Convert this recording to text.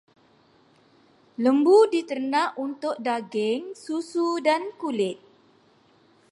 Lembu diternak untuk daging, susu dan kulit.